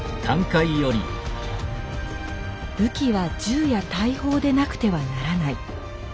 「武器は銃や大砲でなくてはならない。